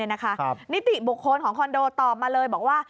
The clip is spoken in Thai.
นิติบุคคลของคอนโดตอบมาเลยบอกว่า